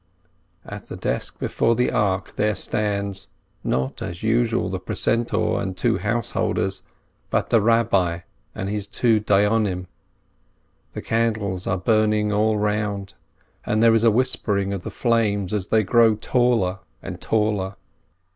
At the desk before the ark there stands, not as usual the precentor and two householders, but the Rabbi and his two Dayonim. The candles are burning all round, and there is a whispering of the flames as they grow taller and taller.